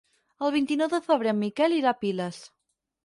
El vint-i-nou de febrer en Miquel irà a Piles.